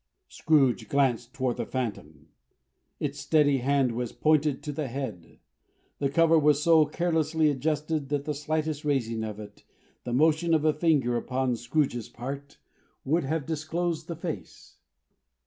Scrooge glanced toward the Phantom. Its steady hand was pointed to the head. The cover was so carelessly adjusted that the slightest raising of it, the motion of a finger upon Scrooge's part, would have disclosed the face.